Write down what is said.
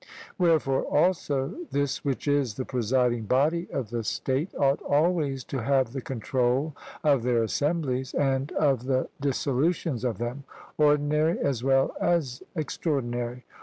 Wherefore, also, this which is the presiding body of the state ought always to have the control of their assemblies, and of the dissolutions of them, ordinary as well as extraordinary.